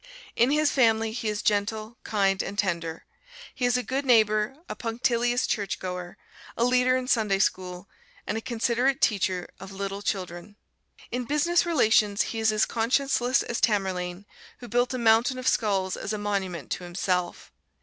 In his family he is gentle, kind and tender; he is a good neighbor, a punctilious churchgoer, a leader in Sunday School, and a considerate teacher of little children. In business relations he is as conscienceless as Tamerlane, who built a mountain of skulls as a monument to himself.